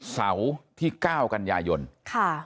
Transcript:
เสาร์ที่๙กันยายนค่ะ